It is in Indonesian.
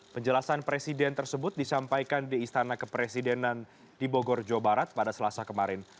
penjelasan presiden tersebut disampaikan di istana kepresidenan di bogor jawa barat pada selasa kemarin